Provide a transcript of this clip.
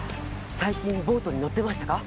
最近ボートに乗ってましたか？